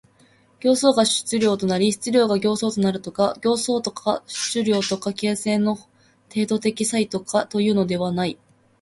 形相が質料となり質料が形相となるとか、形相と質料とか形成の程度的差異とかというのではない。